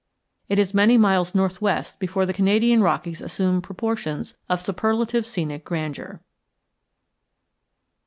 It is many miles northwest before the Canadian Rockies assume proportions of superlative scenic grandeur.